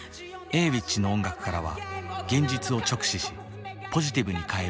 Ａｗｉｃｈの音楽からは現実を直視しポジティブに変えるエネルギーがほとばしる。